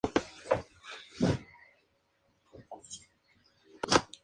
Droga: presente en las semillas.